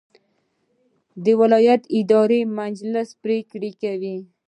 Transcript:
د ولایت اداري مجلس پریکړې کوي